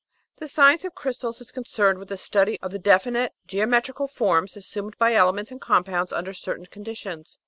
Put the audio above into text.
The science of crystals is concerned with the study of the definite geometrical forms assumed by elements and compounds under certain conditions.